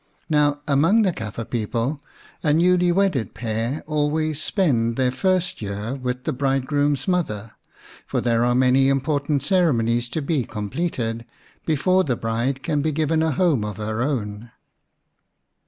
Now among the Kafir people a newly wedded pair always spend their first year with the bridegroom's mother, for there are many important ceremonies to be completed before the bride can be given a home of her own.